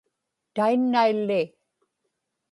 tainnailli